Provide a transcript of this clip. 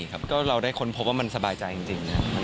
ก็เราได้ค้นพบว่ามันสบายใจจริงนะครับ